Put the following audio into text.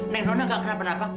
neng nona gak kenapa kenapa